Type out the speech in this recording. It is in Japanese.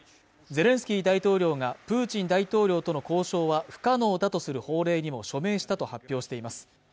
ゼレンスキー大統領がプーチン大統領との交渉は不可能だとする法令にも署名したと発表しています